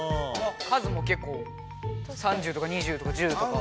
数もけっこう３０とか２０とか１０とか。